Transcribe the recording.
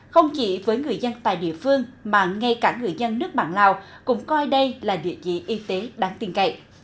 không chỉ với người dân tại địa phương mà ngay cả người dân nước bạn lào cũng coi đây là địa chỉ y tế đáng tin cậy